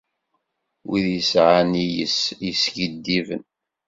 Wid yesɛan iles yeskiddiben.